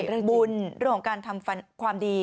เรื่องการทำความดี